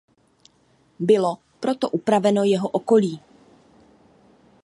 Bylo proto upraveno jeho okolí.